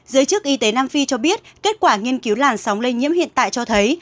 giới chức y tế nam phi cho biết kết quả nghiên cứu làn sóng lây nhiễm hiện tại cho thấy